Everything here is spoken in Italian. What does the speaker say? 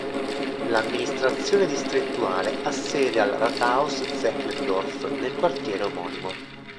L'amministrazione distrettuale ha sede al "Rathaus Zehlendorf", nel quartiere omonimo.